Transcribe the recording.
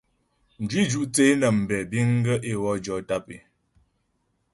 Mjwǐ ju' thə́ é nə́ mbɛ biəŋ gaə́ é wɔ jɔ tàp é.